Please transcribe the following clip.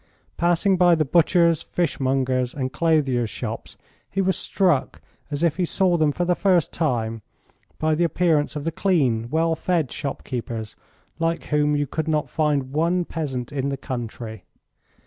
Passing by the butchers', fishmongers', and clothiers' shops, he was struck, as if he saw them for the first time, by the appearance of the clean, well fed shopkeepers, like whom you could not find one peasant in the country.